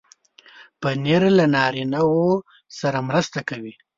پنېر له نارینو سره مرسته کوي.